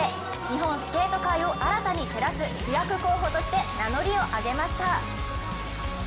日本スケート界を、新たに照らす主役候補として名乗りを上げました。